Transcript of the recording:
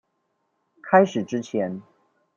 開始之前